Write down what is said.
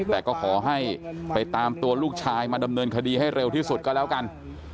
แต่ก็ขอให้ไปตามตัวลูกชายมาดำเนินคดีให้เร็วที่สุดก็แล้วกัน